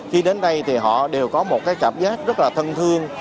khi đến đây thì họ đều có một cái cảm giác rất là thân thương